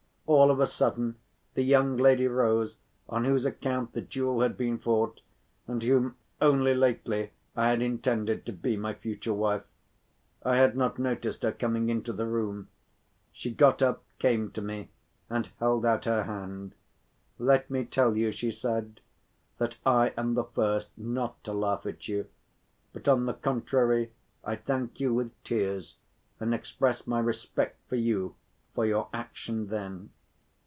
All of a sudden the young lady rose, on whose account the duel had been fought and whom only lately I had intended to be my future wife. I had not noticed her coming into the room. She got up, came to me and held out her hand. "Let me tell you," she said, "that I am the first not to laugh at you, but on the contrary I thank you with tears and express my respect for you for your action then."